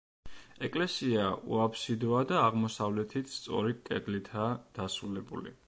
ეკლესია უაბსიდოა და აღმოსავლეთით სწორი კედლითაა დასრულებული.